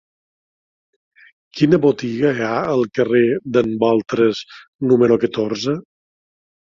Quina botiga hi ha al carrer d'en Boltres número catorze?